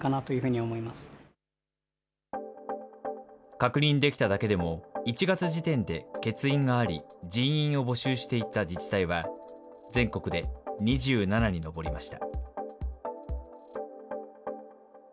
確認できただけでも、１月時点で欠員があり、人員を募集していた自治体は、全国で２７に上りました。